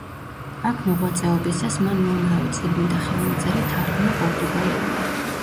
აქ მოღვაწეობისას, მან უამრავი წიგნი და ხელნაწერი თარგმნა პორტუგალიურად.